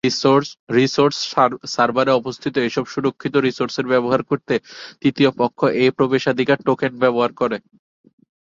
Resource সার্ভারে অবস্থিত এসব সুরক্ষিত রিসোর্স ব্যবহার করতে তৃতীয় পক্ষ এই প্রবেশাধিকার টোকেন ব্যবহার করে।